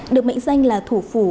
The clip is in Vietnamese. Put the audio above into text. được mệnh danh là thủ phủ